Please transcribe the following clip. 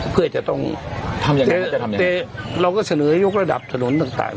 แต่เราก็เสนอยกระดับถนนต่าง